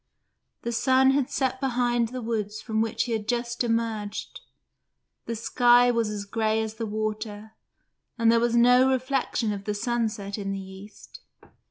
The sun had set behind the woods from which he had just emerged; the sky was as grey as the water, and there was no reflection of the sunset in the east.